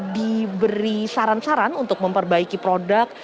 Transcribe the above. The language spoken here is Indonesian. diberi saran saran untuk memperbaiki produk